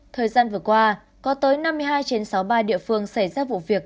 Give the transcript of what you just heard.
thời gian vừa qua có tới năm mươi hai trên sáu mươi ba địa phương xảy ra vụ việc